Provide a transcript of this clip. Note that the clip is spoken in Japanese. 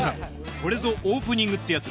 これぞオープニングってヤツ